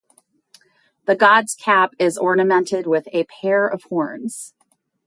The god's cap is ornamented with a pair of horns.